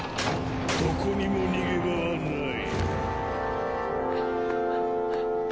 どこにも逃げ場はない。